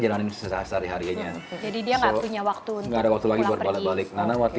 jalanan sehari harinya jadi dia nggak punya waktu nggak ada waktu lagi buat balik balik karena waktu